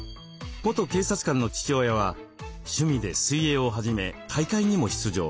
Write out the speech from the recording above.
元警察官の父親は趣味で水泳を始め大会にも出場。